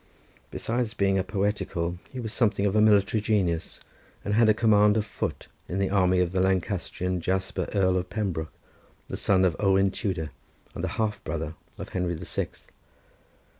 Besides being a poetical he was something of a military genius, and had a command of foot in the army of the Lancastrian Jasper Earl of Pembroke, the son of Owen Tudor, and half brother of Henry the Sixth.